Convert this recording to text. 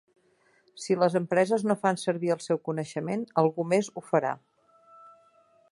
Si les empreses no fan servir el seu coneixement, algú més ho farà.